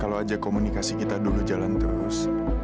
kalau aja komunikasi kita dulu jalan terus